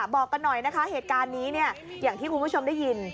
บอกกันหน่อยนะคะเหตุการณ์นี้เนี่ยอย่างที่คุณผู้ชมได้ยิน